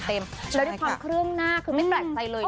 แล้วด้วยความเครื่องหน้าคือไม่แปลกใจเลย